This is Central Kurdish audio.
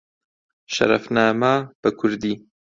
شەرەفنامە بە کوردی